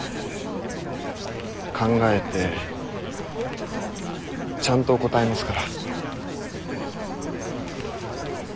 考えてちゃんと答えますから。